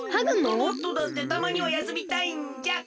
ロボットだってたまにはやすみたいんじゃ！